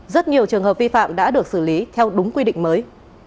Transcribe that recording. rất nhiều trường hợp vi phạm đã được xử lý theo đúng quy định mới